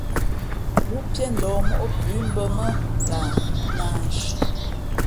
Wúpíéndα̌h móʼ pʉ̌ mbᾱ mά lah nāānshi.